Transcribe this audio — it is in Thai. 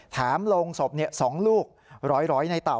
ถามโลงศพ๒ลูกร้อยในเตา